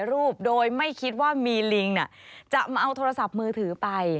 รูปโดยไม่คิดว่ามีลิงจะเอาโทรศัพท์มือถือไป